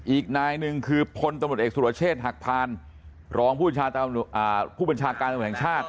อีกนายหนึ่งคือพลตำรวจเอกสุรเชษฐ์หักพานรองผู้บัญชาการตำรวจแห่งชาติ